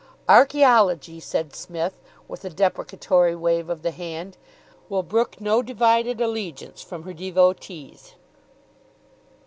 "Archaeology," said Psmith, with a deprecatory wave of the hand, "will brook no divided allegiance from her devotees."